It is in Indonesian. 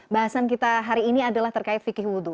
bahasan kita hari ini adalah terkait fikih wudhu